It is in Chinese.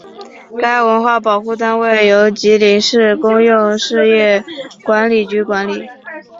该文物保护单位由吉林市公用事业管理局管理。